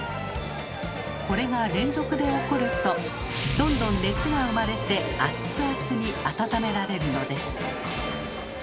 これが連続で起こるとどんどん熱が生まれてアッツアツに温められるのです。